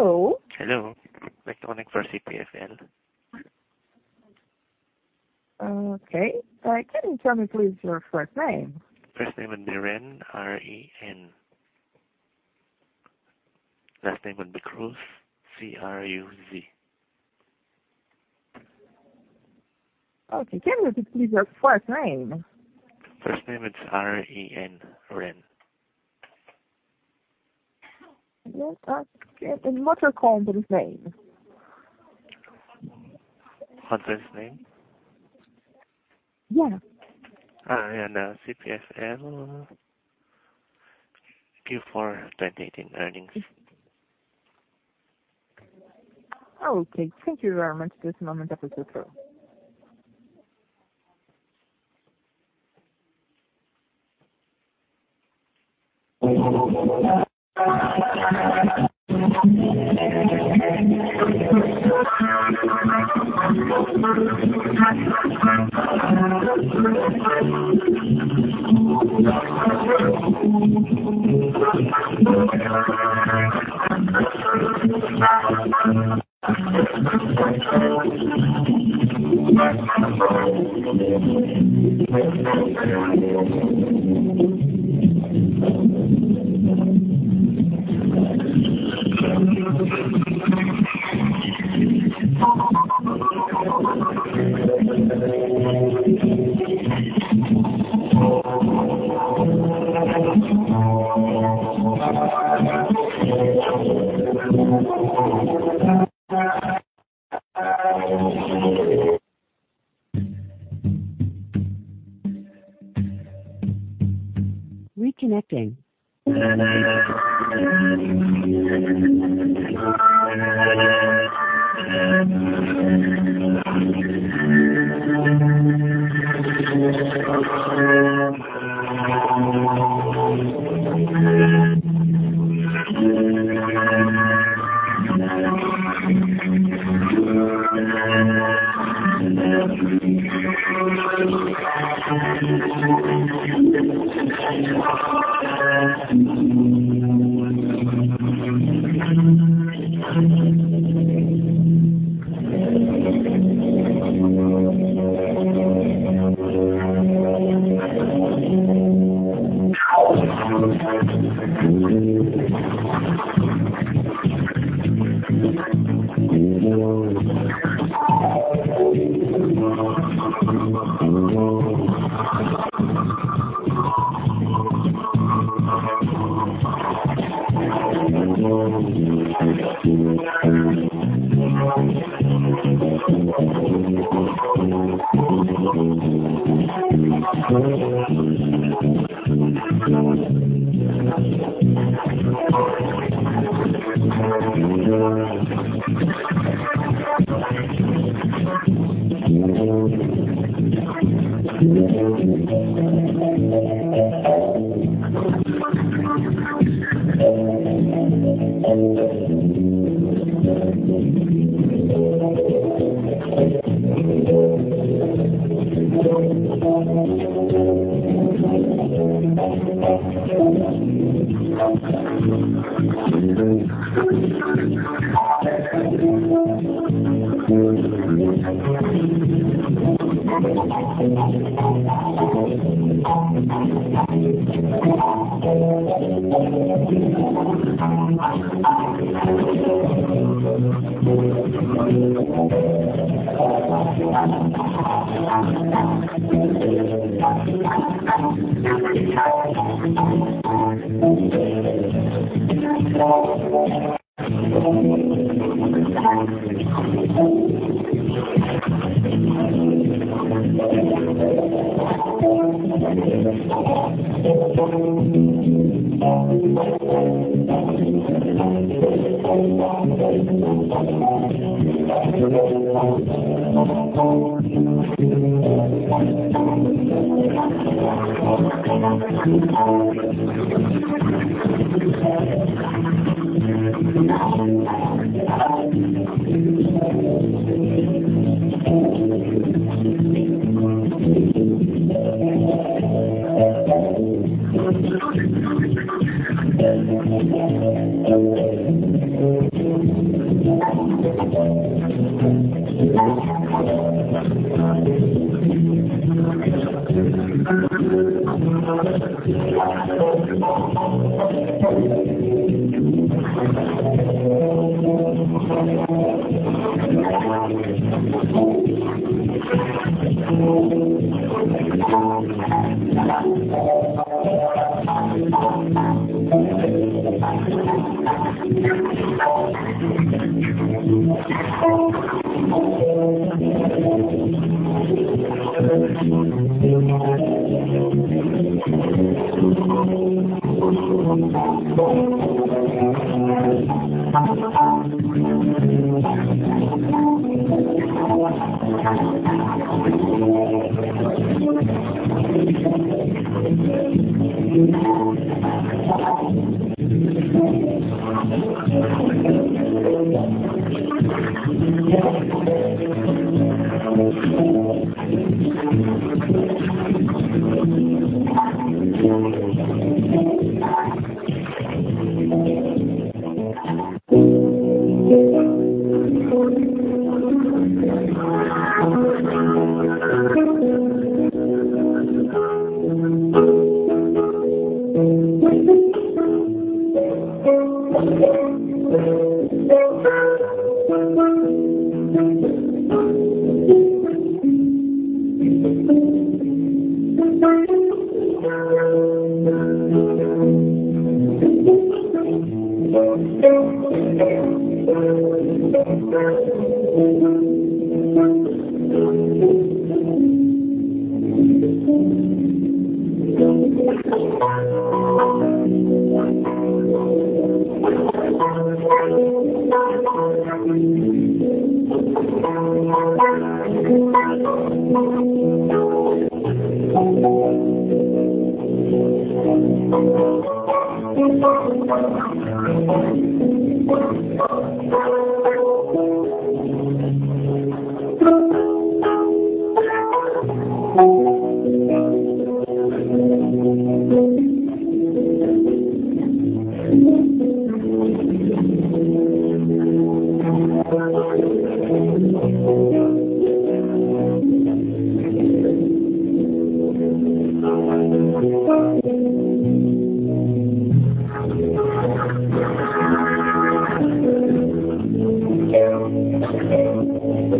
Hello. Hello, electronic for CPFL. Okay. Can you tell me please your first name? First name would be Ren, R-E-N. Last name would be Cruz, C-R-U-Z. Okay. Can you just please your first name? First name is R-E-N, Ren. Yes. What are calling this name? What's this name? Yeah. CPFL Q4 2018 earnings. Okay. Thank you very much. Just one moment. That was super.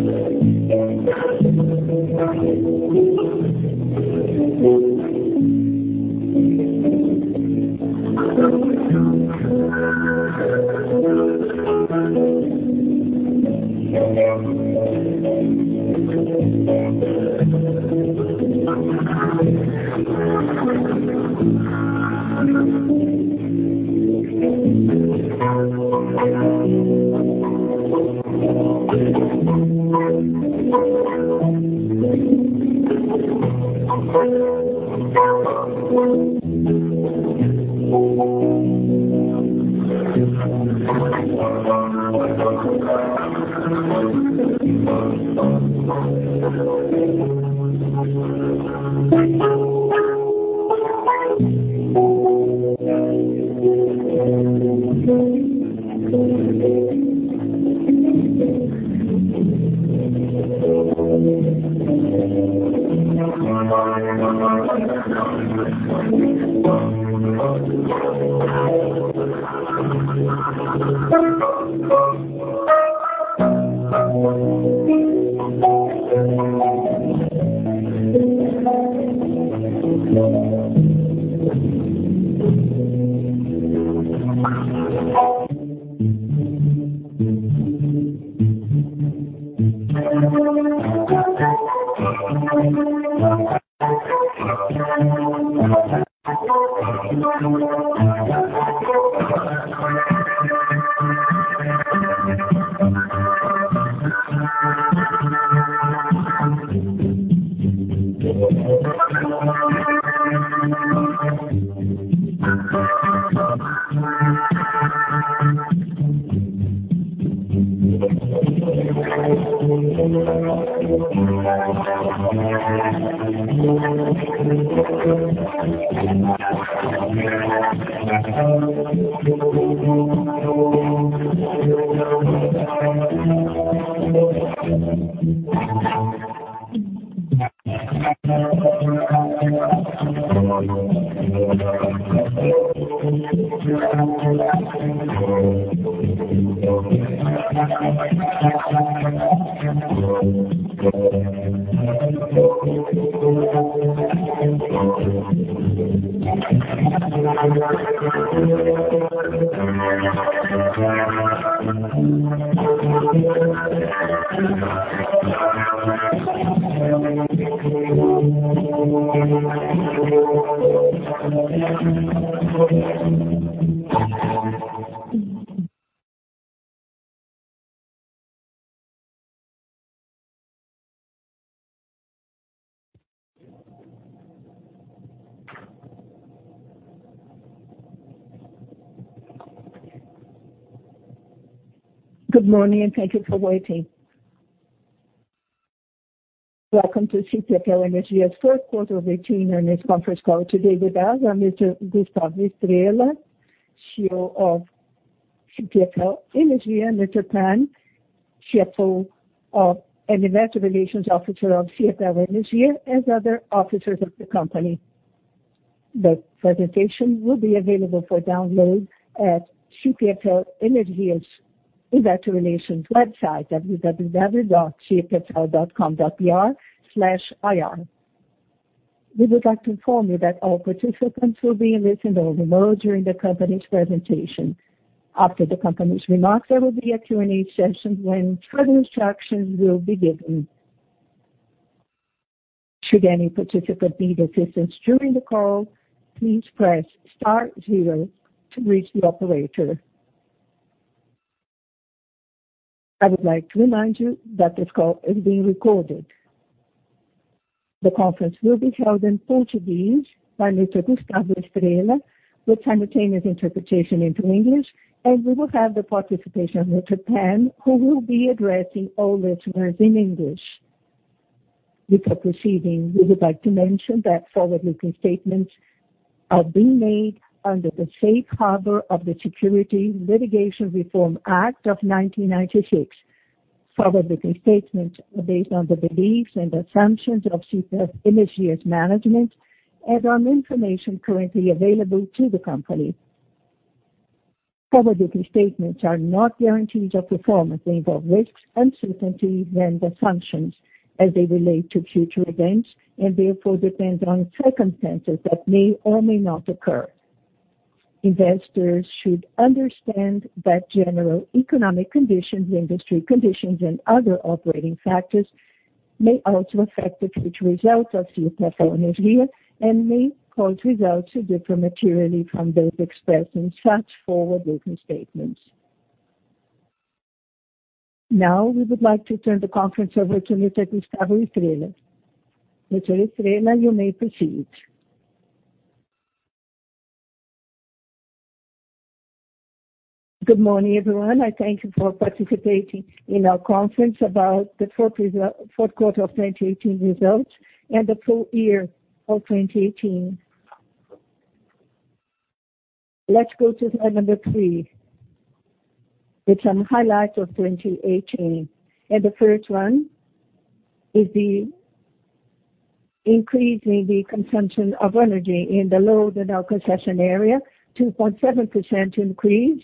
Reconnecting. Good morning. Thank you for waiting. Welcome to CPFL Energia's third quarter of 2018 earnings conference call. Today with us are Mr. Gustavo Estrella, CEO of CPFL Energia, Mr. Pan, CFO and Investor Relations Officer of CPFL Energia, and other officers of the company. The presentation will be available for download at CPFL Energia's investor relations website, www.cpfl.com.br/ir. We would like to inform you that all participants will be in listen-only mode during the company's presentation. After the company's remarks, there will be a Q&A session when further instructions will be given. Should any participant need assistance during the call, please press star zero to reach the operator. I would like to remind you that this call is being recorded. The conference will be held in Portuguese by Mr. Gustavo Estrella with simultaneous interpretation into English. We will have the participation of Mr. Pan, who will be addressing all listeners in English. Before proceeding, we would like to mention that forward-looking statements are being made under the safe harbor of the Securities Litigation Reform Act of 1996. Forward-looking statements are based on the beliefs and assumptions of CPFL Energia's management and on information currently available to the company. Forward-looking statements are not guarantees of performance. They involve risks, uncertainties and assumptions as they relate to future events, and therefore depends on circumstances that may or may not occur. Investors should understand that general economic conditions, industry conditions, and other operating factors may also affect the future results of CPFL Energia, and may cause results to differ materially from those expressed in such forward-looking statements. We would like to turn the conference over to Mr. Gustavo Estrella. Mr. Estrella, you may proceed. Good morning, everyone. I thank you for participating in our conference about the fourth quarter of 2018 results and the full year of 2018. Let's go to slide three, which on highlights of 2018. The first one is the increase in the consumption of energy in the load and our concession area, 2.7% increase,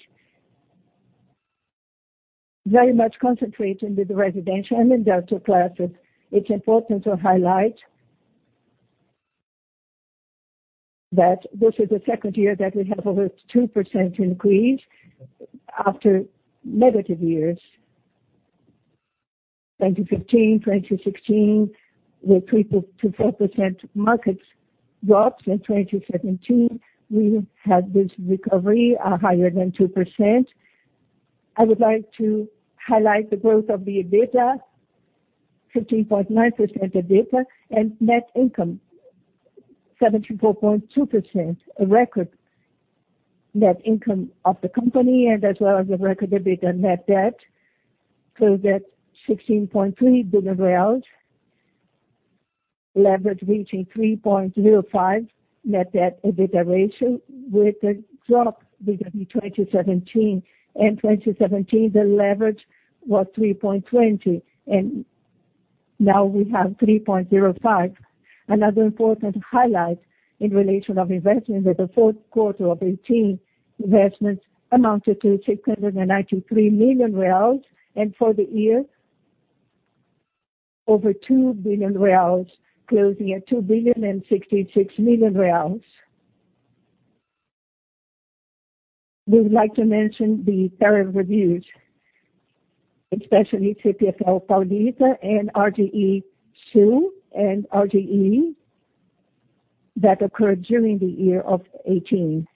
very much concentrated with the residential and industrial classes. It's important to highlight that this is the second year that we have over 2% increase after negative years. 2015, 2016, with 3%-4% market drops. In 2017, we had this recovery, higher than 2%. I would like to highlight the growth of the EBITDA, 15.9% EBITDA, and net income, 74.2%, a record net income of the company, as well as a record EBITDA. Net debt closed at BRL 16.3 billion. Leverage reaching 3.05 net debt ratio with a drop vis-a-vis 2017. In 2017, the leverage was 3.20. Now we have 3.05. Another important highlight in relation of investment is the fourth quarter of 2018. Investments amounted to 693 million reais, and for the year, over 2 billion reais, closing at 2.066 billion. We would like to mention the tariff reviews, especially CPFL Paulista, RGE Sul, and RGE that occurred during the year of 2018.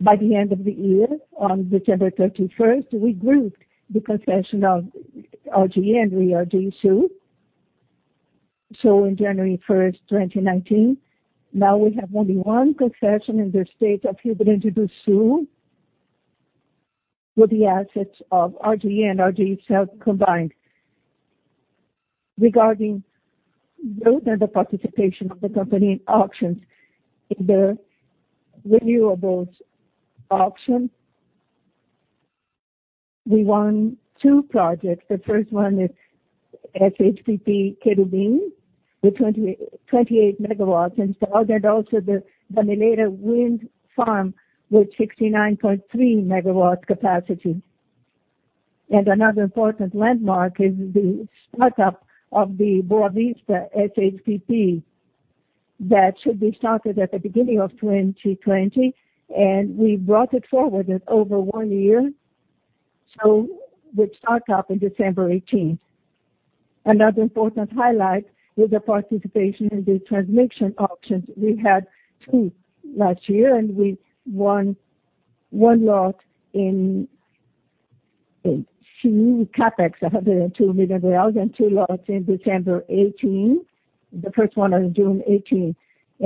By the end of the year, on December 31st, we grouped the concession of RGE and RGE Sul. On January 1st, 2019, now we have only one concession in the state of Rio Grande do Sul with the assets of RGE and RGE Sul combined. Regarding those and the participation of the company in auctions, in the renewables auction, we won two projects. The first one is SHPP Cherobim with 28 MW installed, and also the Gameleira Wind Farm with 69.3 MW capacity. Another important landmark is the start-up of the Boa Vista SHPP. That should be started at the beginning of 2020, and we brought it forward at over one year, so will start up in December 18th. Another important highlight is the participation in the transmission auctions. We had two last year, and we won one lot in CapEx, BRL 102 million, and two lots in December 2018. The first one on June 2018,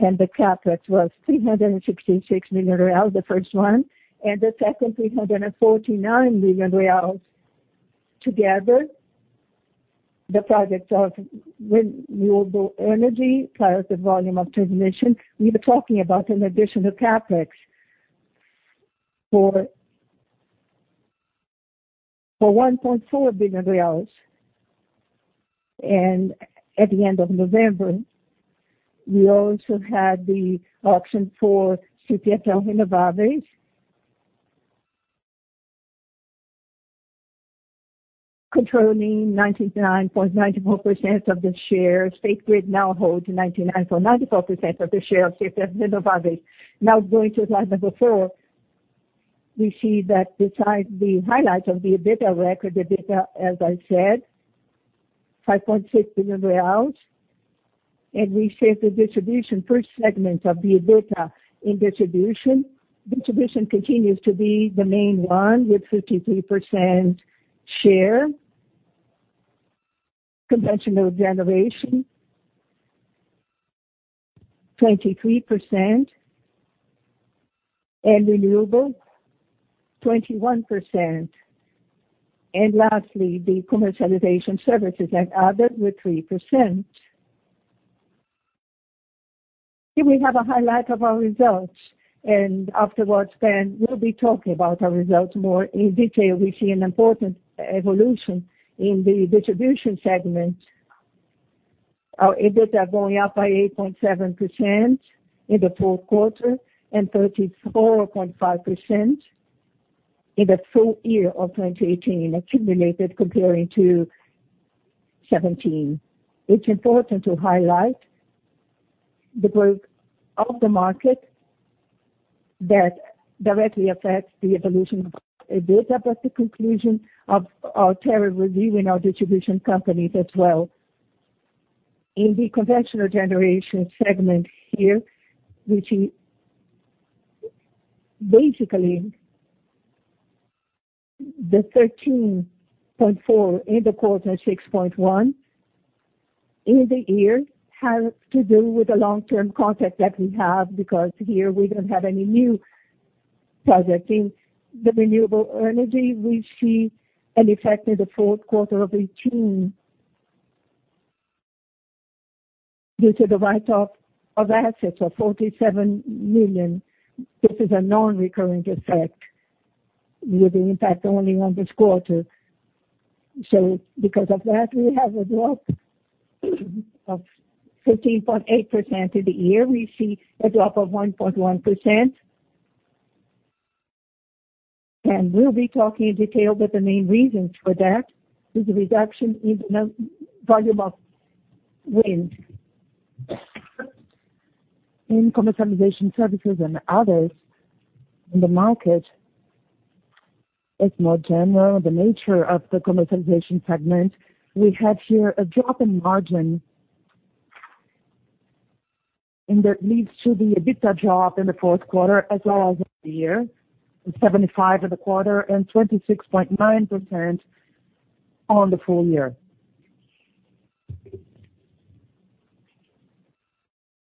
and the CapEx was 366 million reais, the first one. The second, 349 million reais. Together, the projects of renewable energy plus the volume of transmission, we were talking about an additional CapEx for BRL 1.4 billion. At the end of November, we also had the auction for CPFL Renováveis. Controlling 99.94% of the shares. State Grid now holds 99.94% of the share of CPFL Renováveis. Going to slide number four, we see that besides the highlights of the EBITDA record. The EBITDA, as I said, 5.6 billion reais, and we see the distribution per segment of the EBITDA. Distribution continues to be the main one with 53% share. Conventional generation 23%. Renewable, 21%. Lastly, the commercialization services and others were 3%. Here we have a highlight of our results, and afterwards, Pan will be talking about our results more in detail. We see an important evolution in the distribution segment. Our EBITDA are going up by 8.7% in the fourth quarter and 34.5% in the full year of 2018 accumulated comparing to 2017. It's important to highlight the work of the market that directly affects the evolution of EBITDA, the conclusion of our tariff review in our distribution companies as well. In the conventional generation segment here, which is basically the 13.4% in the quarter, 6.1% in the year, has to do with the long-term contract that we have because here we don't have any new project. In the renewable energy, we see an effect in the fourth quarter of 2018. Due to the write-off of assets of 47 million, this is a non-recurrent effect with the impact only on this quarter. Because of that, we have a drop of 15.8% of the year. We see a drop of 1.1%. We'll be talking in detail, but the main reasons for that is the reduction in the volume of wind. In commercialization services and others in the market, it's more general, the nature of the commercialization segment. We have here a drop in margin, that leads to the EBITDA drop in the fourth quarter as well as of the year, with 75% in the quarter and 26.9% on the full year.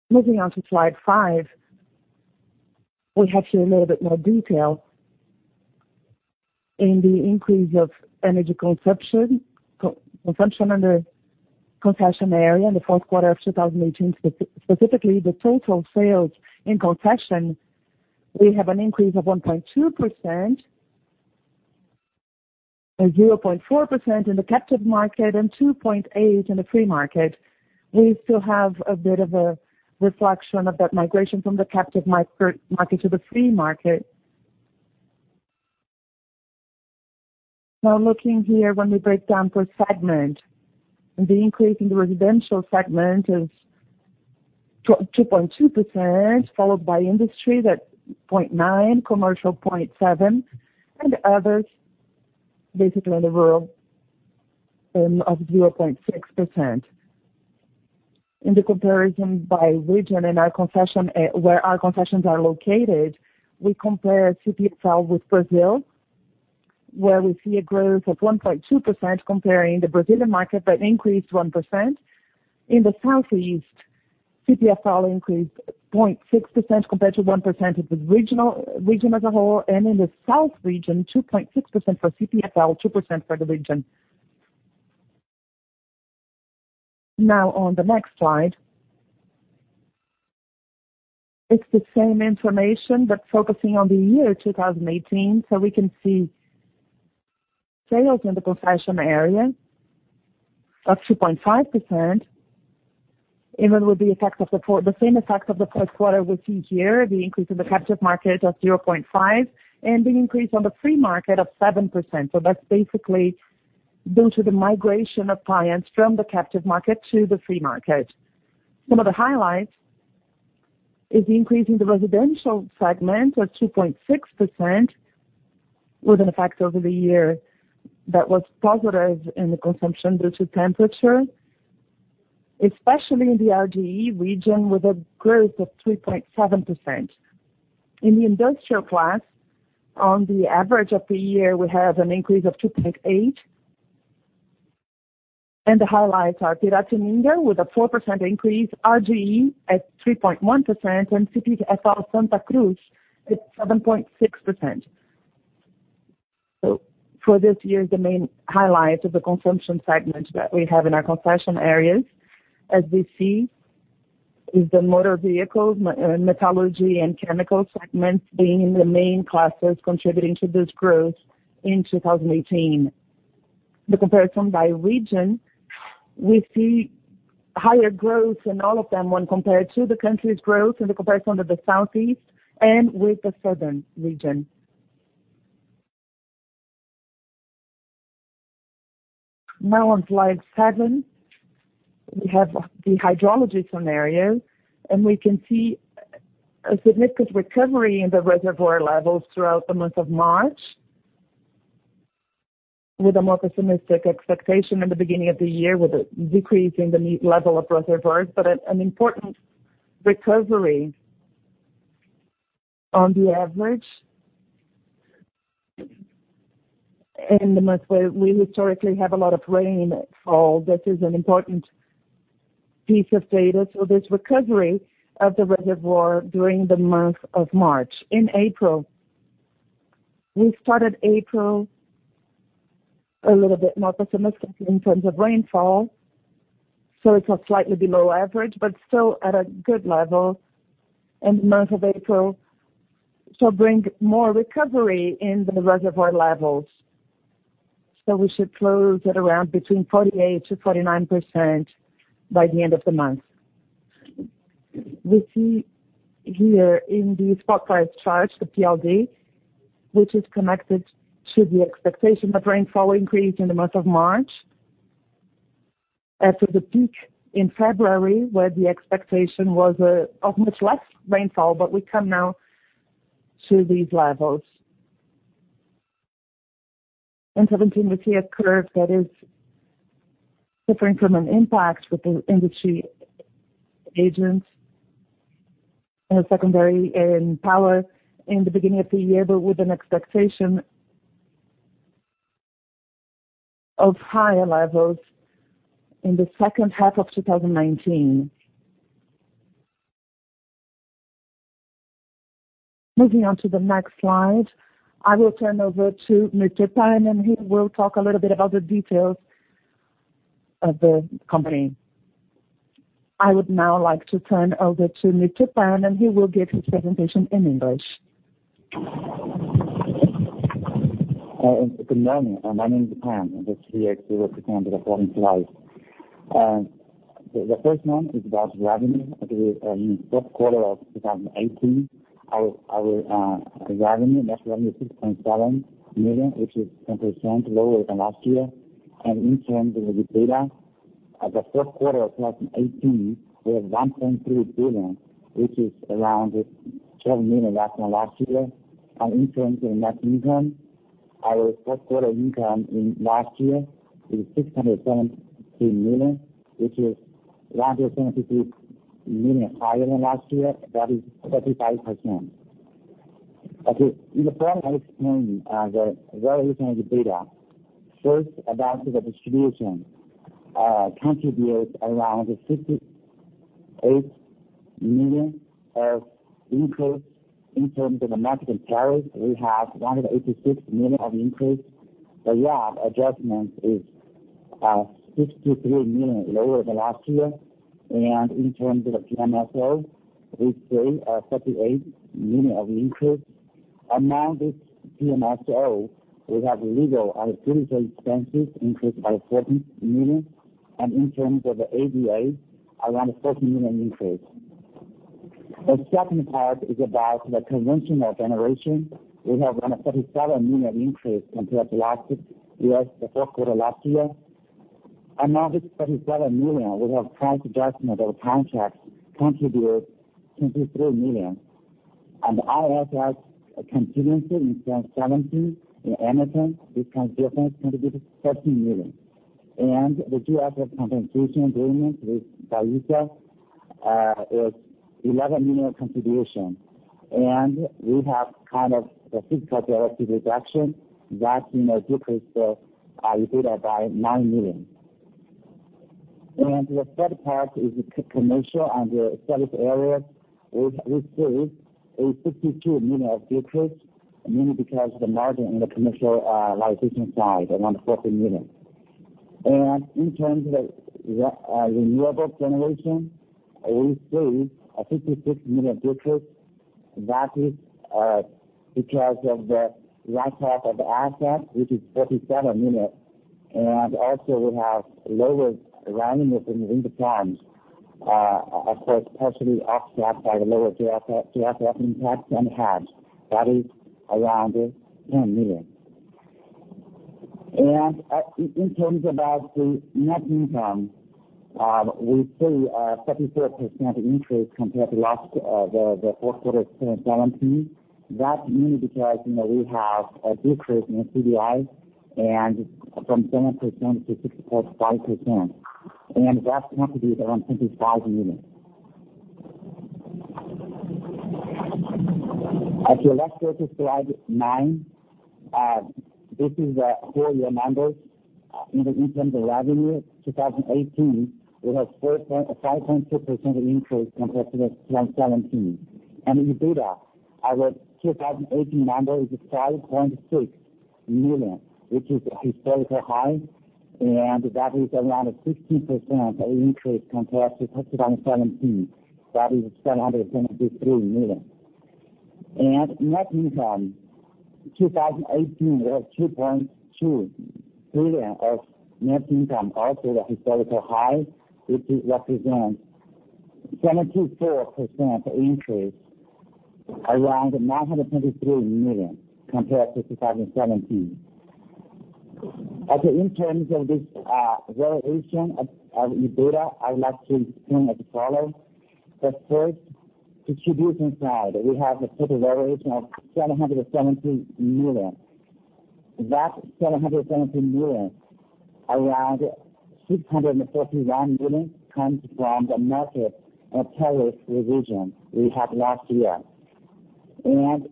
Moving on to slide 5, we have here a little bit more detail in the increase of energy consumption under concession area in the fourth quarter of 2018. Specifically, the total sales in concession, we have an increase of 1.2%, a 0.4% in the captive market and 2.8% in the free market. We still have a bit of a reflection of that migration from the captive market to the free market. Looking here when we break down per segment, the increase in the residential segment is 2.2%, followed by industry that 0.9%, commercial 0.7%, and others, basically on the rural, of 0.6%. In the comparison by region in our concession, where our concessions are located, we compare CPFL with Brazil, where we see a growth of 1.2% comparing the Brazilian market that increased 1%. In the Southeast, CPFL increased 0.6% compared to 1% of the region as a whole, and in the South region, 2.6% for CPFL, 2% for the region. On the next slide. It's the same information but focusing on the year 2018. We can see sales in the concession area of 2.5%. Even with the same effect of the first quarter we see here, the increase in the captive market of 0.5% and the increase on the free market of 7%. That's basically due to the migration of clients from the captive market to the free market. Some of the highlights is the increase in the residential segment of 2.6% with an effect over the year that was positive in the consumption due to temperature, especially in the RGE region with a growth of 3.7%. In the industrial class, on the average of the year, we have an increase of 2.8%. The highlights are Piratininga with a 4% increase, RGE at 3.1%, and CPFL Santa Cruz at 7.6%. For this year, the main highlight of the consumption segment that we have in our concession areas, as we see, is the motor vehicles, metallurgy, and chemical segments being the main classes contributing to this growth in 2018. The comparison by region, we see higher growth in all of them when compared to the country's growth in the comparison of the Southeast and with the Southern region. On slide 7, we have the hydrology scenario, we can see a significant recovery in the reservoir levels throughout the month of March with a more pessimistic expectation in the beginning of the year with a decrease in the level of reservoirs, but an important recovery on the average. In the month where we historically have a lot of rainfall, this is an important piece of data. There's recovery of the reservoir during the month of March. In April, we started April a little bit more pessimistic in terms of rainfall. It's slightly below average, but still at a good level, and the month of April should bring more recovery in the reservoir levels. We should close at around between 48%-49% by the end of the month. We see here in the spot price charts, the PLD, which is connected to the expectation of rainfall increase in the month of March. After the peak in February, where the expectation was of much less rainfall, we come now to these levels. In 2017, we see a curve that is suffering from an impact with the industry agents, secondary in power in the beginning of the year, with an expectation of higher levels in the second half of 2019. Moving on to the next slide, I will turn over to Mr. Pan, he will talk a little bit about the details of the company. I would now like to turn over to Mr. Pan, he will give his presentation in English. Good morning. My name is Pan, the CFO of CPFL Energia. The first one is about revenue. In the first quarter of 2018, our revenue, net revenue, 6.7 million, which is 10% lower than last year. In terms of the EBITDA, the first quarter of 2018 was 1.3 billion, which is around 12 million less than last year. In terms of net income, our first quarter income in last year is 617 million, which is 173 million higher than last year. That is 35%. Before I explain the valuation of EBITDA, first about the distribution contributes around 68 million of increase. In terms of the market and tariffs, we have 186 million of increase. The RAB adjustment is 63 million lower than last year. In terms of the PMSO, we see a 38 million of increase. Among this PMSO, we have legal and judicial expenses increased by 14 million, in terms of the ABA, around 14 million increase. The second part is about the conventional generation. We have around a 37 million increase compared to last year, the fourth quarter last year. Among this 37 million, we have price adjustment of contracts contribute 23 million. ISS contingency in 2017 in Amazon, this contribution contributes 13 million. The GF compensation agreement with Bahia is 11 million contribution. We have kind of the physical derivative reduction that decreased our EBITDA by 9 million. The third part is the commercial under service areas, which we see a 62 million of decrease, mainly because the margin in the commercialization side, around 40 million. In terms of the renewable generation, we see a 56 million decrease. That is because of the write-off of assets, which is 47 million. Also we have lower remunerations in the plants, of course, partially offset by the lower GF impact and hedge. That is around BRL 10 million. In terms of the net income, we see a 34% increase compared to the fourth quarter of 2017. That is mainly because we have a decrease in CDI from 7% to 6.5%. That contributes around BRL 25 million. If you would like to go to slide nine. This is the full year numbers. In terms of revenue, 2018, we have 5.2% increase compared to 2017. The EBITDA, our 2018 number is 5.6 billion, which is historical high, and that is around a 16% of increase compared to 2017. That is BRL 773 million. Net income, 2018, we have 2.2 billion of net income, also a historical high, which represents 74% increase around 923 million compared to 2017. Okay, in terms of this valuation of EBITDA, I would like to explain as follow. The first distribution side, we have a total valuation of 770 million. That 770 million, around 641 million comes from the market and tariffs revision we had last year. In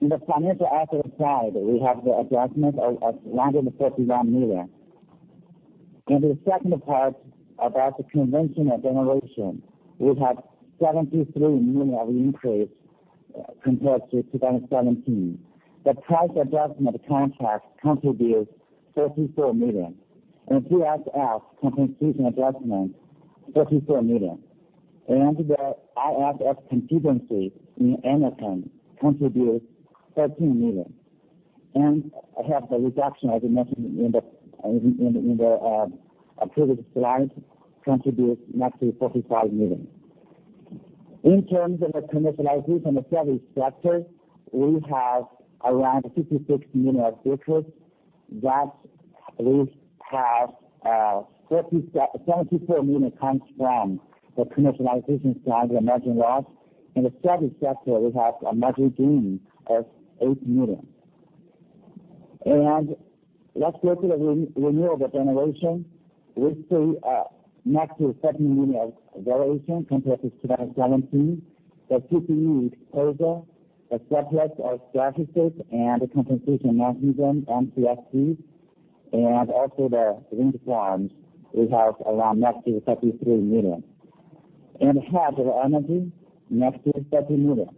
the financial assets side, we have the adjustment of 151 million. In the second part, about the conventional generation, we have 73 million of increase compared to 2017. The price adjustment contracts contribute BRL 44 million, and PFF compensation adjustment, BRL 44 million. The ISS contingency in Amazon contributes 13 million. We have the reduction, as I mentioned in the previous slide, contributes negatively 45 million. In terms of the commercialization in the service sector, we have around 56 million of deficit. That 74 million comes from the commercialization side, the merchant loss. In the service sector, we have a margin gain of 8 million. Let's go to the renewable generation. We see a negative 17 million of variation compared to 2017. The PPA exposure, the surplus of certificates, and the compensation mechanism, MCSD, and also the wind farms, we have around negative 33 million. In hydro energy, negative 30 million.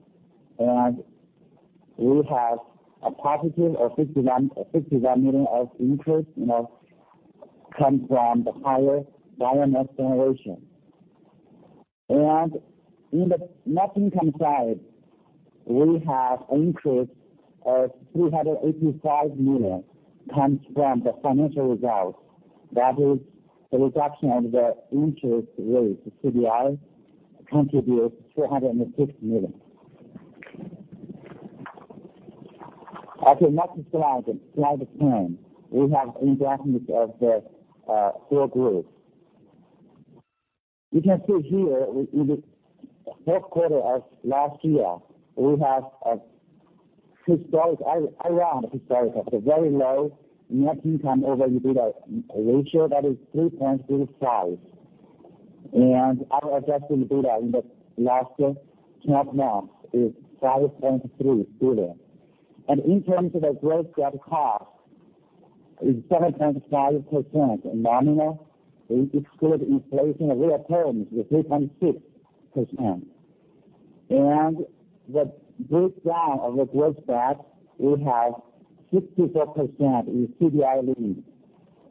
We have a positive of 61 million of increase, comes from the higher biomass generation. In the net income side, we have increase of 385 million, comes from the financial results. That is the reduction of the interest rate, the CDI contributes 260 million. Okay, next slide 10. We have a breakdown of the four groups. You can see here in the fourth quarter of last year, we have around historical, a very low net income over EBITDA ratio. That is 3.35. Our adjusted EBITDA in the last 12 months is 5.3 billion. In terms of the gross debt cost is 7.5% in nominal, exclude inflation of real terms with 3.6%. The breakdown of the gross debt, we have 64% is CDI linked,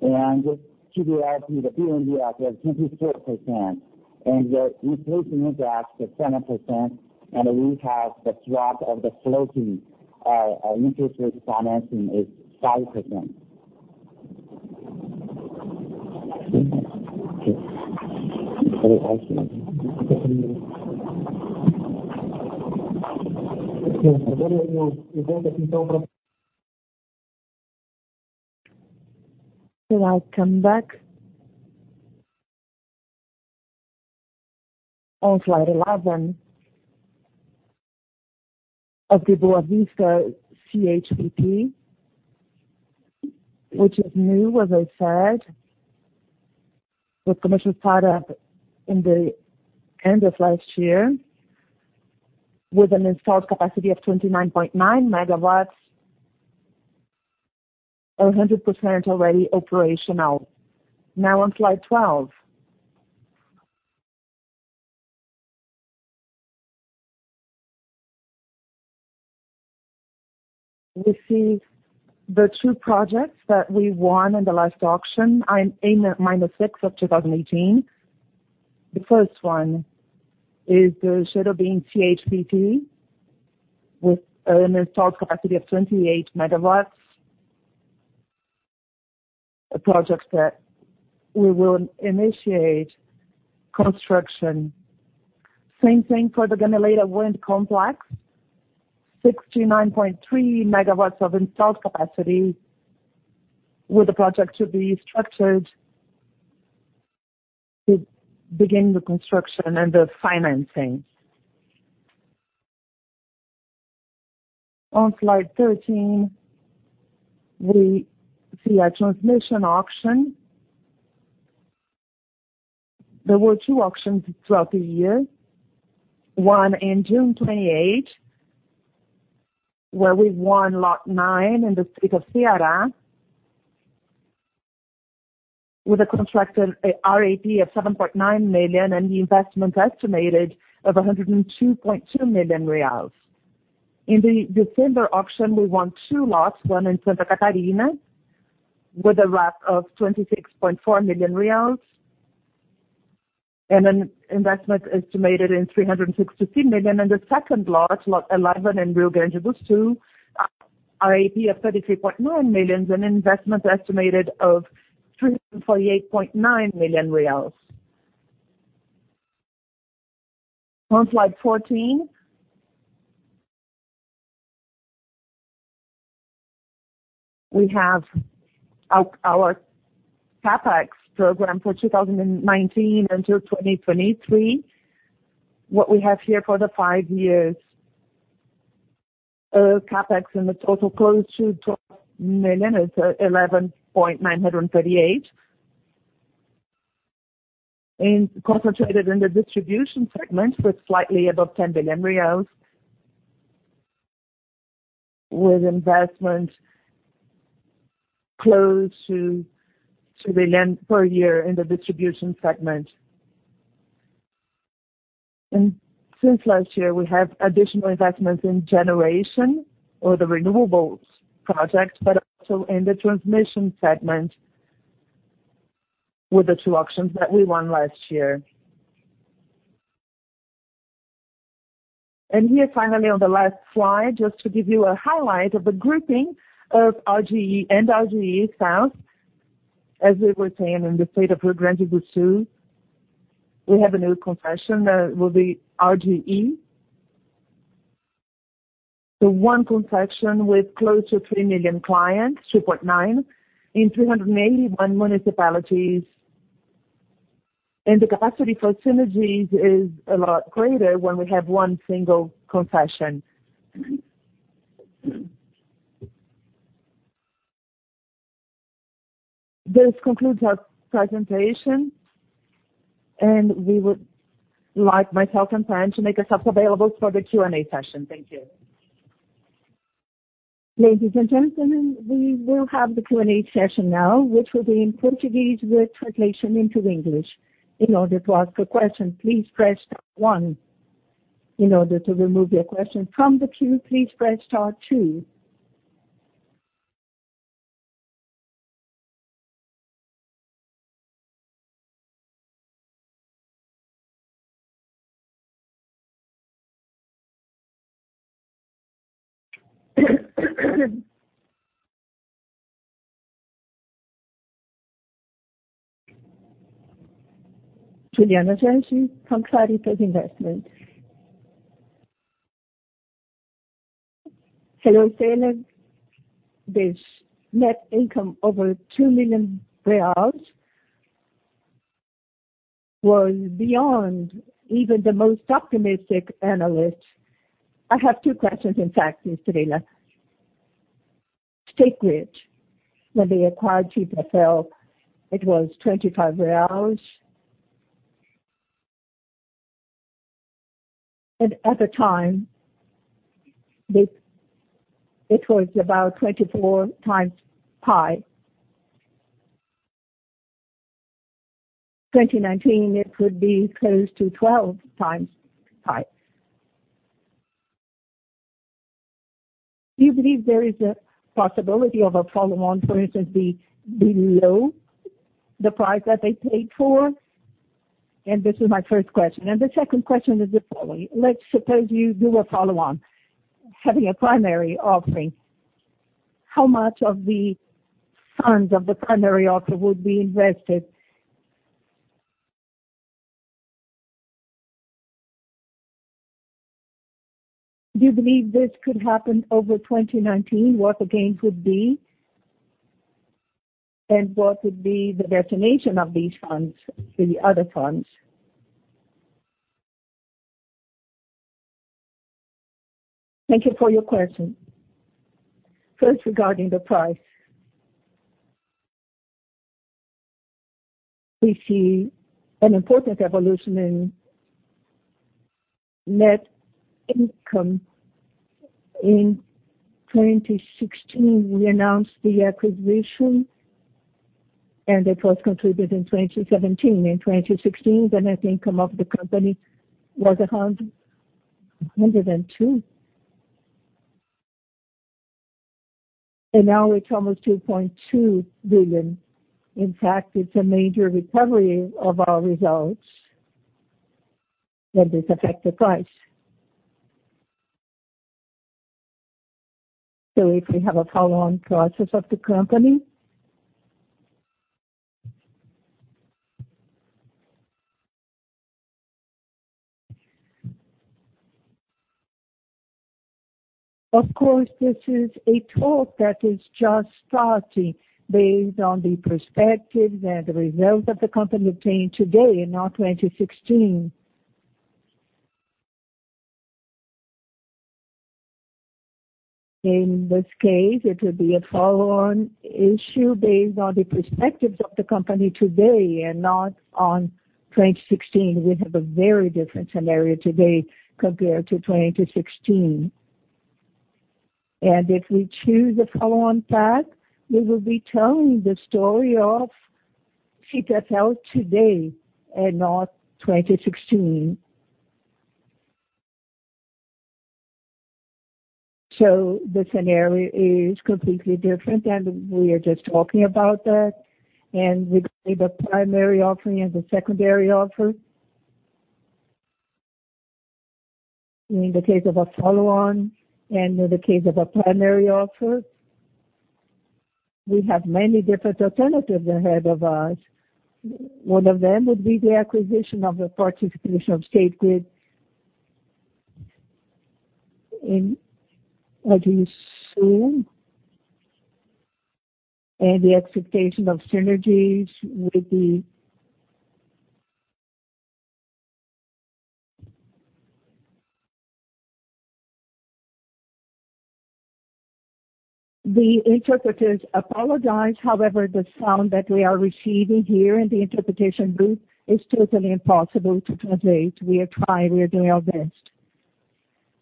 and the BNDES is 24%, and the inflation indexed at 7%, and we have the drop of the floating interest rate financing is 5%. I come back on slide 11 of the Boa Vista SHPP, which is new, as I said, was commissioned startup in the end of last year with an installed capacity of 29.9 megawatts, or 100% already operational. Now on slide 12. We see the two projects that we won in the last auction in A-6 of 2018. The first one is the SHPP Lucia Cherobim with an installed capacity of 28 MW, a project that we will initiate construction. Same thing for the Gameleira Wind Complex, 69.3 MW of installed capacity, with the project to be structured to begin the construction and the financing. On slide 13, we see a transmission auction. There were two auctions throughout the year, one in June 28, where we won lot nine in the state of Ceará, with a contracted RAP of 7.9 million and the investment estimated of 102.2 million reais. In the December auction, we won two lots, one in Santa Catarina, with a RAP of BRL 26.4 million, and an investment estimated in 363 million. The second lot 11 in Rio Grande do Sul, RAP of 33.9 million and investment estimated of 348.9 million reais. On slide 14, we have our CapEx program for 2019 until 2023. What we have here for the five years, CapEx in the total close to 12 billion is 11,938. Concentrated in the distribution segment with slightly above 10 billion reais, with investment close to BRL 3 billion per year in the distribution segment. Since last year, we have additional investments in generation or the renewables project, but also in the transmission segment with the two auctions that we won last year. Here finally on the last slide, just to give you a highlight of the grouping of RGE and RGE Sul. As we were saying in the state of Rio Grande do Sul, we have a new concession that will be RGE. One concession with close to three million clients, 2.9 in 381 municipalities. The capacity for synergies is a lot greater when we have one single concession. This concludes our presentation, and we would like myself and Pan to make ourselves available for the Q&A session. Thank you. Ladies and gentlemen, we will have the Q&A session now, which will be in Portuguese with translation into English. In order to ask a question, please press star one. In order to remove your question from the queue, please press star two. Juliana Jeni from Claritas Investment. Hello. This net income over 2 million reais was beyond even the most optimistic analysts. I have two questions, in fact. [inaudible] State Grid, when they acquired CPFL, it was BRL 25. At the time, it was about 24 times P/E. 2019, it would be close to 12 times P/E. Do you believe there is a possibility of a follow-on, for instance, below the price that they paid for? This is my first question. The second question is the following. Let's suppose you do a follow-on, having a primary offering. How much of the funds of the primary offer would be invested? Do you believe this could happen over 2019? What again could be? What would be the destination of these funds to the other funds? Thank you for your question. First, regarding the price. We see an important evolution in net income. In 2016, we announced the acquisition, and it was contributed in 2017. In 2016, the net income of the company was 102. Now it's almost 2.2 billion. In fact, it's a major recovery of our results, and this affects the price. If we have a follow-on process of the company, of course, this is a talk that is just starting based on the perspectives and the results that the company obtained today and not 2016. In this case, it would be a follow-on issue based on the perspectives of the company today and not on 2016. We have a very different scenario today compared to 2016. If we choose a follow-on path, we will be telling the story of CPFL today and not 2016. The scenario is completely different, and we are just talking about that. Regarding the primary offering and the secondary offer. In the case of a follow-on and in the case of a primary offer, we have many different alternatives ahead of us. One of them would be the acquisition of a participation of State Grid in RGE Sul. The expectation of synergies would be The interpreters apologize. However, the sound that we are receiving here in the interpretation booth is totally impossible to translate. We are trying, we are doing our best.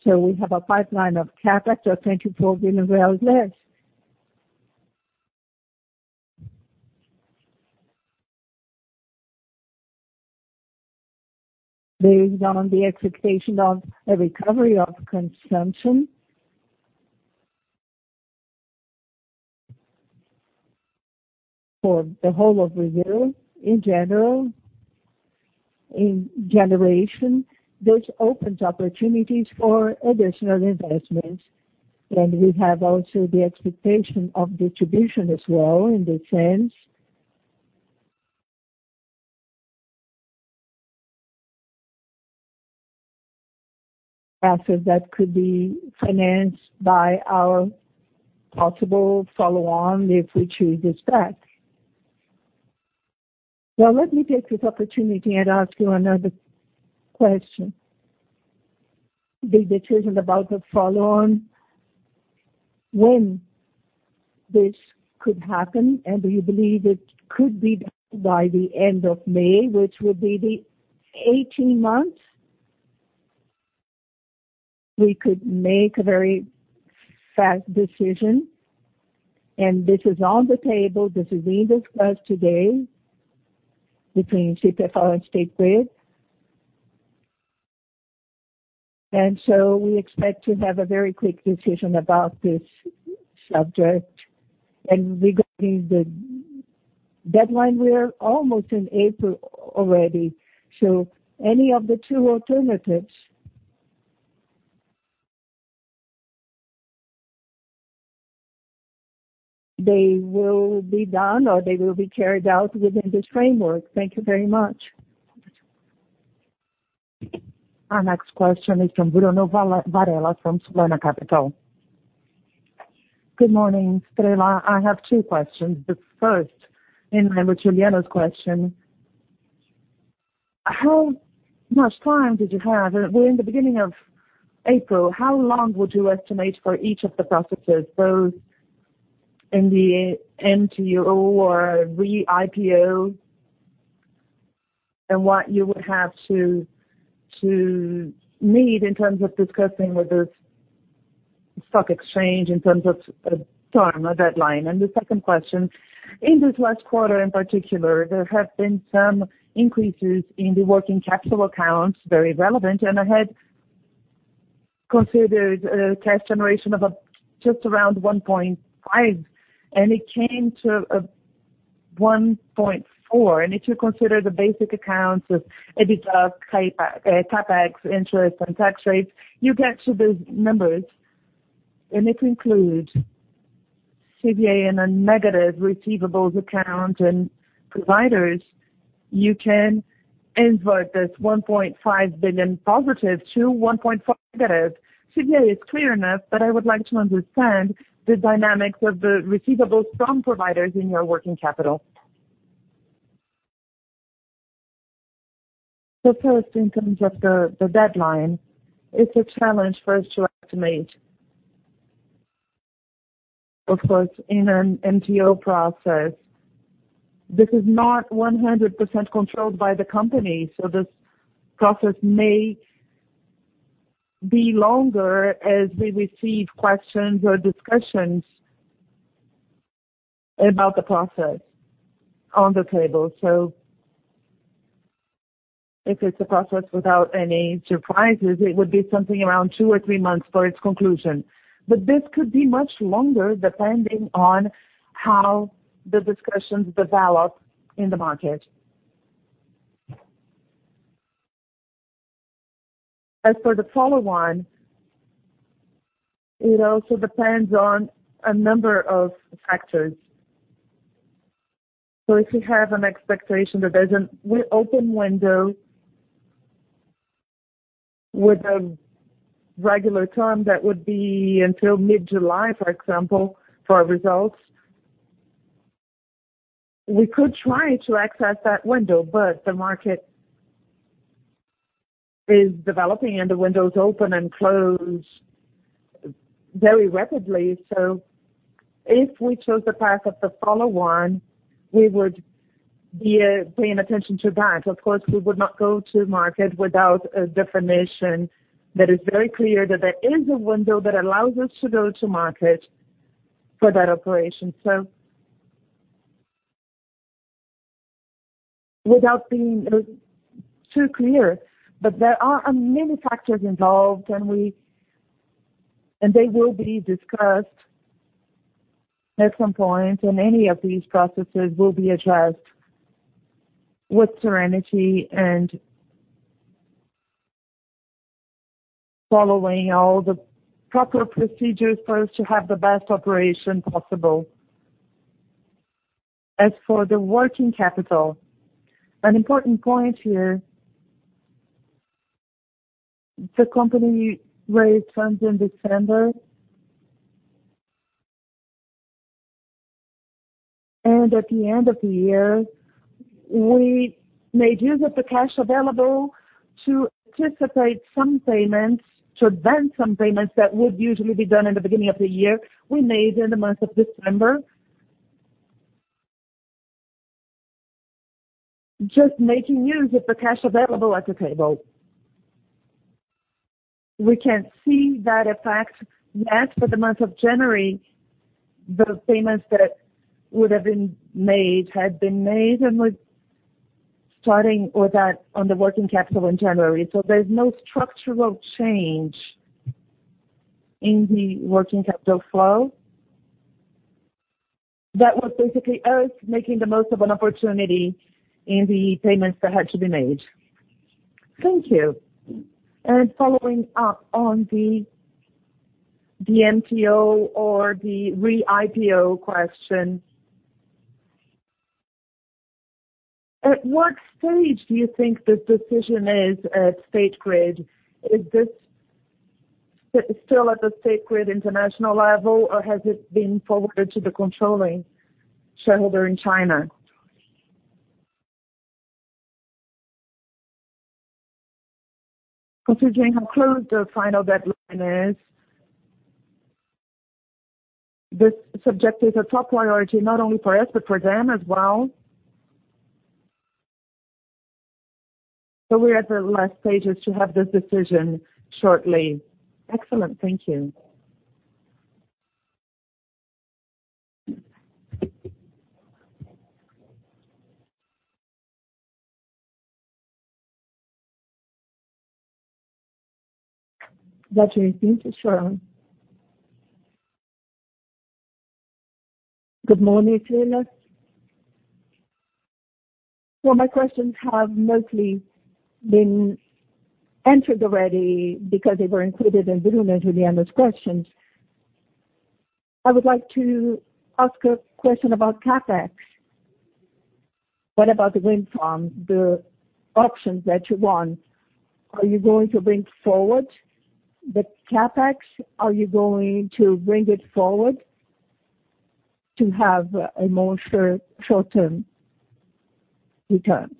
We have a pipeline of CapEx of 24 billion less. Based on the expectation of a recovery of consumption. For the whole of Brazil, in general, in generation, this opens opportunities for additional investments. We have also the expectation of distribution as well in that sense. Assets that could be financed by our possible follow-on if we choose this path. Let me take this opportunity and ask you another question. The decision about the follow-on, when this could happen, and do you believe it could be by the end of May, which would be the 18 months? We could make a very fast decision, and this is on the table. This is being discussed today between CPFL and State Grid. We expect to have a very quick decision about this subject. Regarding the deadline, we are almost in April already, so any of the two alternatives, they will be done, or they will be carried out within this framework. Thank you very much. Our next question is from Bruno Varella from Solana Capital. Good morning, Estrella. I have two questions, but first, in line with Juliana's question, how much time did you have? We are in the beginning of April. How long would you estimate for each of the processes, both in the MTO or Re-IPO, and what you would have to meet in terms of discussing with the stock exchange in terms of a time or deadline? The second question, in this last quarter, in particular, there have been some increases in the working capital accounts, very relevant. I had considered a cash generation of just around 1.5 billion, and it came to 1.4 billion. If you consider the basic accounts of EBITDA, CapEx, interest, and tax rates, you get to these numbers. If you include CVA in a negative receivables account and providers, you can invert this 1.5 billion positive to 1.4 billion negative. CVA is clear enough. I would like to understand the dynamics of the receivables from providers in your working capital. First, in terms of the deadline, it is a challenge for us to estimate. Of course, in an MTO process, this is not 100% controlled by the company, so this process may be longer as we receive questions or discussions about the process on the table. If it is a process without any surprises, it would be something around two or three months for its conclusion. This could be much longer depending on how the discussions develop in the market. As for the follow-on, it also depends on a number of factors. If you have an expectation that there is an open window with a regular time, that would be until mid-July, for example, for our results. We could try to access that window, but the market is developing, and the windows open and close very rapidly. If we chose the path of the follow-on, we would be paying attention to that. Of course, we would not go to market without a definition that is very clear that there is a window that allows us to go to market for that operation. Without being too clear. There are many factors involved, and they will be discussed at some point, and any of these processes will be addressed with serenity and following all the proper procedures for us to have the best operation possible. As for the working capital, an important point here, the company raised funds in December At the end of the year, we made use of the cash available to anticipate some payments, to advance some payments that would usually be done in the beginning of the year, we made in the month of December. Just making use of the cash available at the table. We can see that effect as for the month of January, the payments that would have been made had been made, and we're starting with that on the working capital in January. There's no structural change in the working capital flow. That was basically us making the most of an opportunity in the payments that had to be made. Thank you. Following up on the MTO or the re-IPO question, at what stage do you think the decision is at State Grid? Is this still at the State Grid International level, or has it been forwarded to the controlling shareholder in China? Considering how close the final deadline is, this subject is a top priority not only for us, but for them as well. We're at the last stages to have this decision shortly. Excellent. Thank you. That will be it. Thank you. Sure. Good morning, Helena. My questions have mostly been answered already because they were included in Bruno and Juliana's questions. I would like to ask a question about CapEx. What about the wind farm, the options that you won, are you going to bring forward the CapEx? Are you going to bring it forward to have a more short-term return?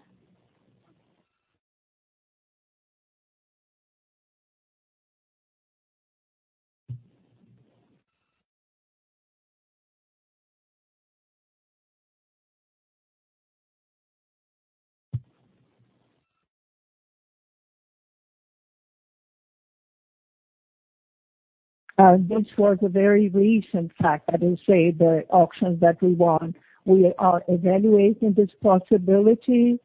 This was a very recent fact. I didn't say the auctions that we won. We are evaluating this possibility.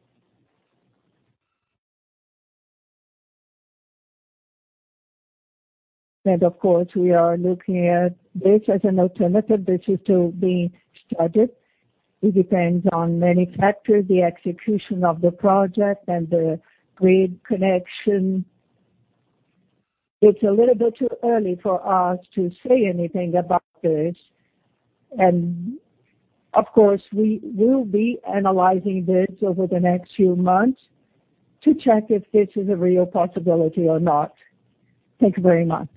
Of course, we are looking at this as an alternative. This is still being studied. It depends on many factors, the execution of the project and the grid connection. It's a little bit too early for us to say anything about this. Of course, we will be analyzing this over the next few months to check if this is a real possibility or not. Thank you very much.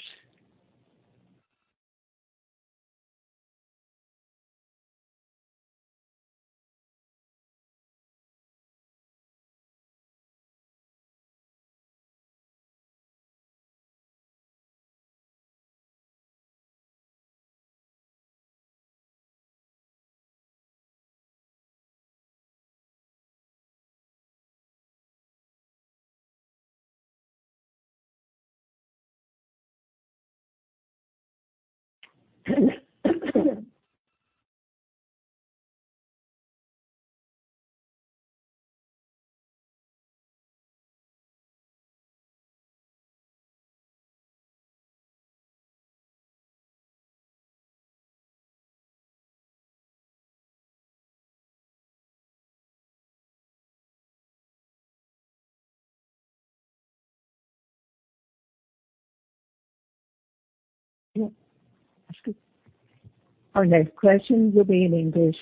Our next question will be in English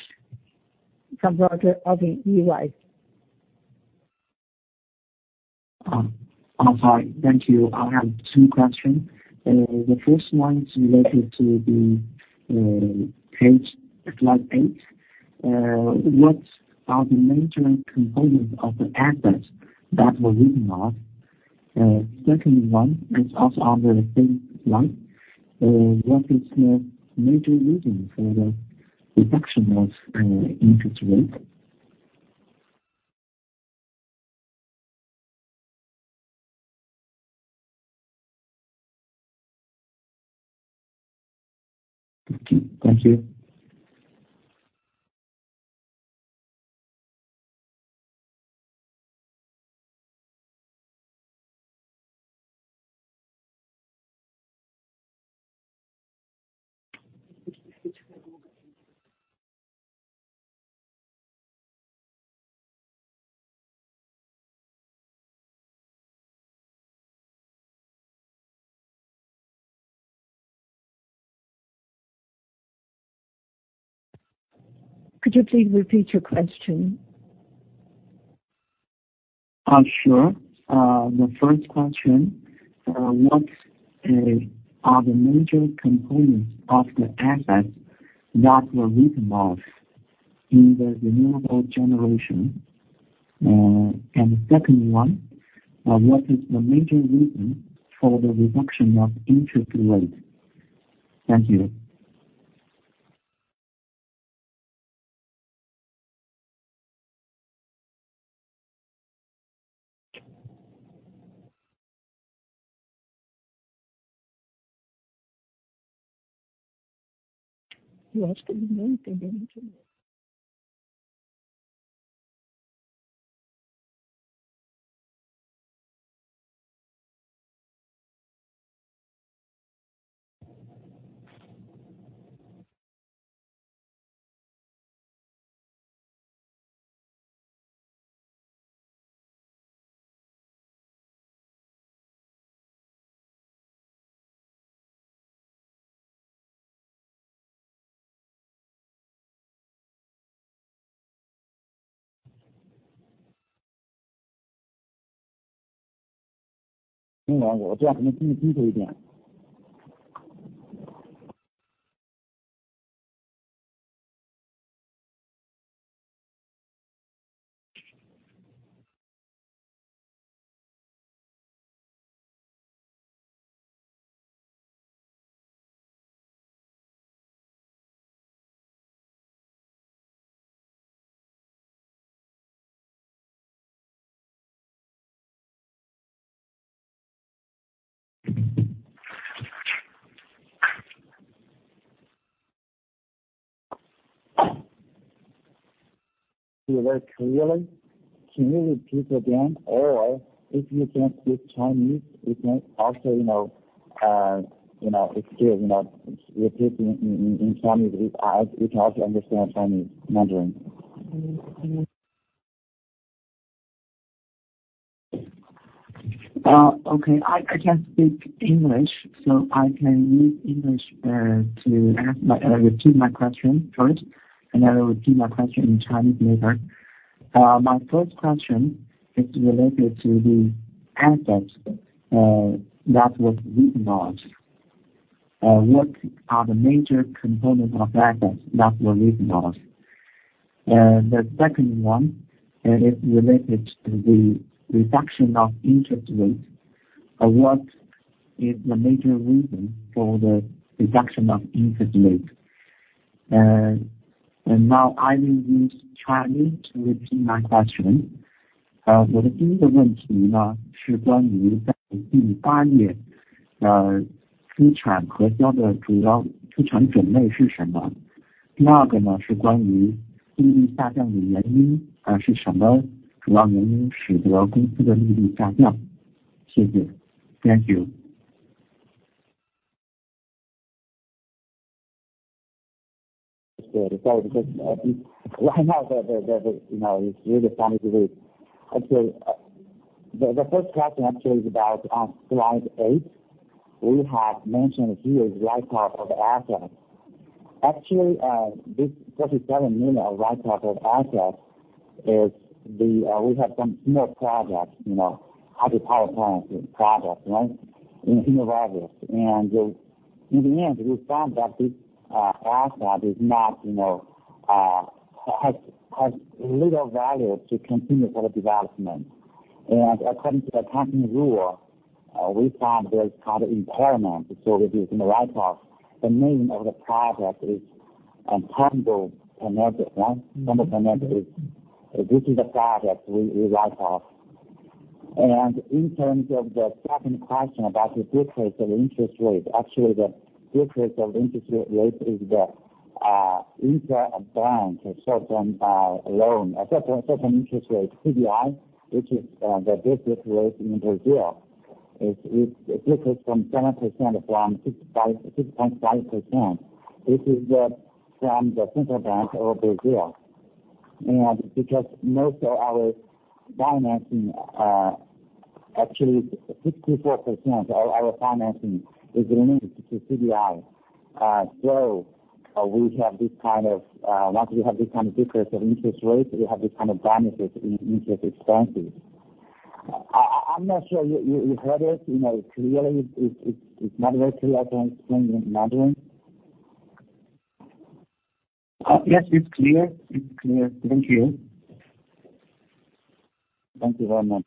from Roger of EY. I'm sorry. Thank you. I have two questions. The first one is related to the slide eight. What are the major components of the assets that were written off? Secondly one, is also on the same slide. What is the major reason for the reduction of interest rate? Thank you. Could you please repeat your question? Sure. The first question, what are the major components of the assets that were written off in the renewable generation? The second one, what is the major reason for the reduction of interest rate? Thank you. You ask him in Mandarin. Very clearly. Can you repeat again? Or if you can speak Chinese, we can also repeat in Chinese. We can also understand Chinese Mandarin. Okay. I can speak English, so I can use English to repeat my question first. I will repeat my question in Chinese later. My first question is related to the assets that was written off. What are the major components of assets that were written off? The second one is related to the reduction of interest rate. What is the major reason for the reduction of interest rate? Now I will use Chinese to repeat my question. Thank you. The first question actually is about on slide eight, we have mentioned here write-off of assets. Actually, this BRL 37 million of write-off of assets, we have some small projects, hydropower plants projects in the rivers. In the end, we found that this asset has little value to continue for the development. According to the company rule, we found there is kind of impairment, so we did some write-off. The name of the project is Tando Energia. This is the project we write off. In terms of the second question about the decrease of interest rate, actually the decrease of interest rate is the intra-bank certain interest rate, CDI, which is the basic rate in Brazil. It decreased from 7% from 6.5%. This is from the central bank of Brazil. Because most of our financing, actually 64% of our financing is linked to CDI. Once we have this kind of decrease of interest rates, we have this kind of benefits in interest expenses. I'm not sure you heard it clearly. It's not very clear. I can explain in Mandarin. Yes, it's clear. Thank you. Thank you very much.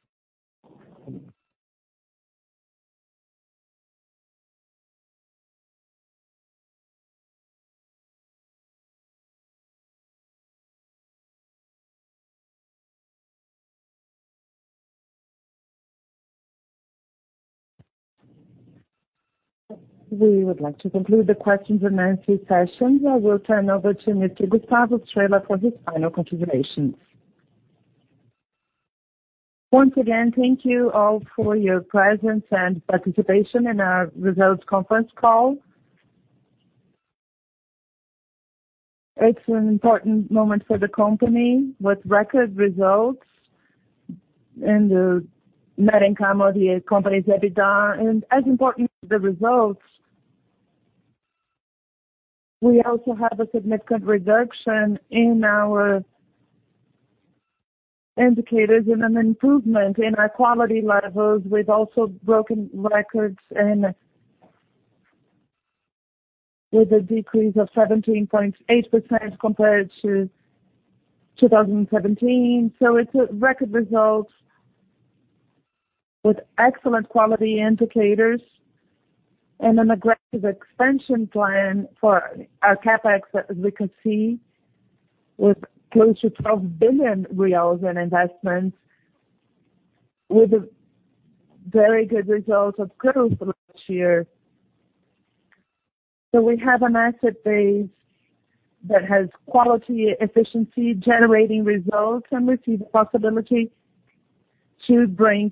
We would like to conclude the questions and answers session. I will turn over to Mr. Gustavo Estrella for his final considerations. Once again, thank you all for your presence and participation in our results conference call. It's an important moment for the company with record results in the net income of the company's EBITDA. As important as the results, we also have a significant reduction in our indicators and an improvement in our quality levels. We've also broken records with a decrease of 17.8% compared to 2017. It's record results with excellent quality indicators and an aggressive expansion plan for our CapEx that we could see with close to 12 billion reais in investments with a very good result of growth last year. We have an asset base that has quality, efficiency, generating results, and with the possibility to bring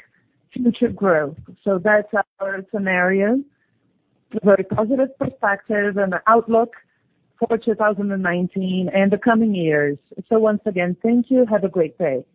future growth. That's our scenario with very positive perspectives and outlook for 2019 and the coming years. Once again, thank you. Have a great day.